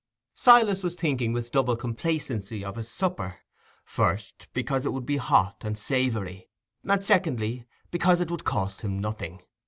Silas was thinking with double complacency of his supper: first, because it would be hot and savoury; and secondly, because it would cost him nothing.